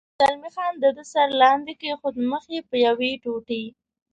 زلمی خان د ده سر لاندې کېښود، مخ یې په یوې ټوټې.